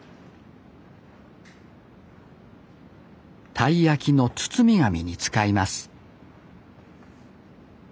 たい焼きの包み紙に使います